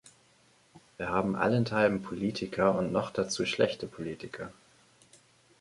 Wir haben allenthalben Politiker und noch dazu schlechte Politiker.